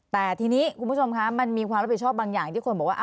แต่ทีนี้คุณผู้ชมคะมันมีความรับผิดชอบบางอย่างที่คนบอกว่า